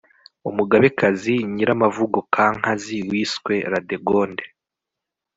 umugabekazi nyiramavugo, kankazi, wiswe radegonde